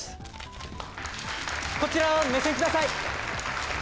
こちら、目線ください。